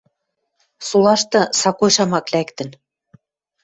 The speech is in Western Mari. Солашты сакой шамак лӓктӹн.